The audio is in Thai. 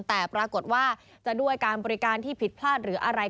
แต่ปรากฏว่าจะด้วยการบริการที่ผิดพลาดหรืออะไร